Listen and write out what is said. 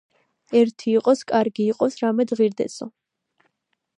ართი რდას ჯგირი რდას მუთუნიშა ღირჷდას."ერთი იყოს კარგი იყოს რამედ ღირდესო